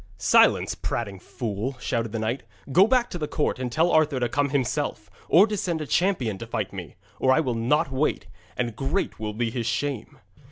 'Silence, prating fool!' shouted the knight, 'go back to the court and tell Arthur to come himself, or to send a champion to fight me, or I will not wait, and great will be his shame.'